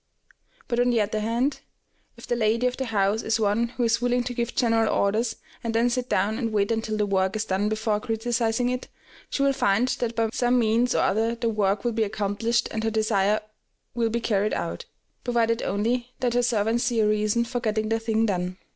But on the other hand, if the lady of the house is one who is willing to give general orders, and then sit down and wait until the work is done before criticising it, she will find that by some means or other the work will be accomplished and her desire will be carried out, provided only that her servants see a reason for getting the thing done.